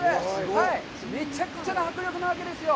めちゃくちゃな迫力なわけですよ。